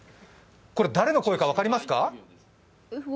誰の声か分かりますか？